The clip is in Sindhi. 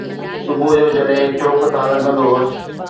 صبح جو جڏهن چوڪ تان لنگهندو هوس